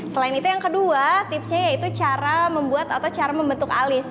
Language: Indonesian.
selain itu yang kedua tipsnya yaitu cara membuat atau cara membentuk alis